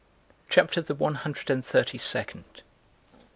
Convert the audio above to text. CHAPTER THE ONE HUNDRED AND THIRTY SECOND.